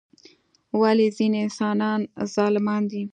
ولی ځینی انسانان ظالمان دي؟